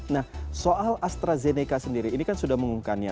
nah soal astrazeneca sendiri ini kan sudah mengungkannya